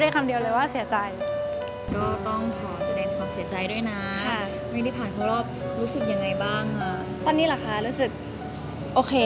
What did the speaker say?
ค่ะมีน่ามาใหม่ไหม